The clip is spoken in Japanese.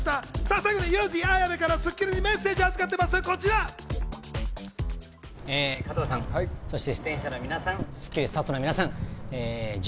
最後にユウジ・アヤベから『スッキリ』にメッセージを預かっていお疲れさまでした。